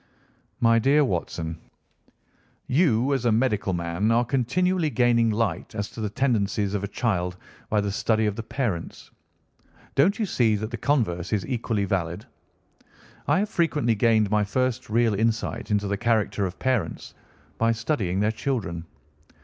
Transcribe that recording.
"My dear Watson, you as a medical man are continually gaining light as to the tendencies of a child by the study of the parents. Don't you see that the converse is equally valid. I have frequently gained my first real insight into the character of parents by studying their children.